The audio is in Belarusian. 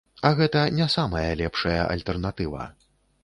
А гэта не самая лепшая альтэрнатыва.